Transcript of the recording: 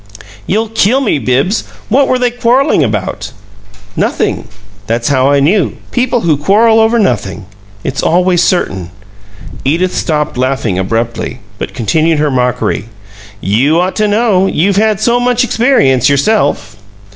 "You'll kill me, Bibbs! What were they quarreling about?" "Nothing. That's how I knew. People who quarrel over nothing! it's always certain " Edith stopped laughing abruptly, but continued her mockery. "You ought to know. You've had so much experience, yourself!"